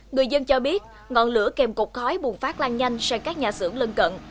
người dân cho biết ngọn lửa kèm cột khói buồn phát lan nhanh sang các nhà sưởng lân cận